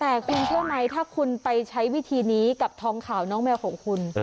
แต่คุณเชื่อไหมถ้าคุณไปใช้วิธีนี้กับทองข่าวน้องแมวของคุณ